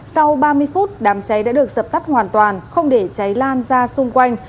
sau ba mươi phút đám cháy đã được dập tắt hoàn toàn không để cháy lan ra xung quanh